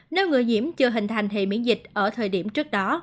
nếu người nhiễm chưa hình thành hệ miễn dịch ở thời điểm trước đó